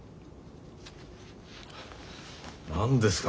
何ですか？